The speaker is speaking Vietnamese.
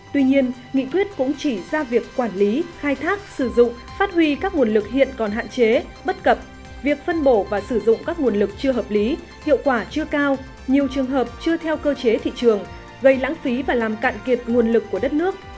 tuy nhiên nghị quyết cũng chỉ ra việc quản lý khai thác sử dụng phát huy các nguồn lực hiện còn hạn chế bất cập việc phân bổ và sử dụng các nguồn lực chưa hợp lý hiệu quả chưa cao nhiều trường hợp chưa theo cơ chế thị trường gây lãng phí và làm cạn kiệt nguồn lực của đất nước